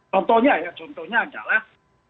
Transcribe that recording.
contohnya ya contohnya adalah